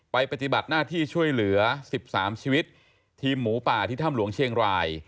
ปฏิบัติหน้าที่ช่วยเหลือ๑๓ชีวิตทีมหมูป่าที่ถ้ำหลวงเชียงราย